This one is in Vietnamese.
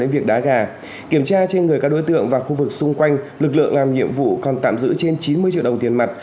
về các đối tượng và khu vực xung quanh lực lượng làm nhiệm vụ còn tạm giữ trên chín mươi triệu đồng tiền mặt